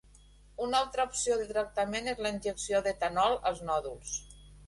Una altra opció de tractament és la injecció d'etanol als nòduls.